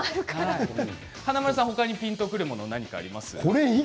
華丸さん他にピンとくるもの何かありますか。